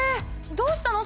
どうしたの？